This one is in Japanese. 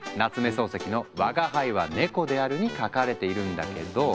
漱石の「吾輩は猫である」に書かれているんだけど。